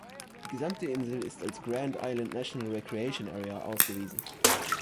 Die gesamte Insel ist als Grand Island National Recreation Area ausgewiesen.